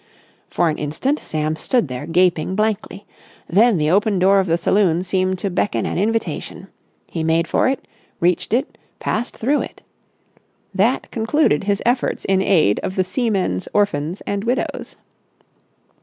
For an instant Sam stood there, gaping blankly. Then the open door of the saloon seemed to beckon an invitation. He made for it, reached it, passed through it. That concluded his efforts in aid of the Seamen's Orphans and Widows.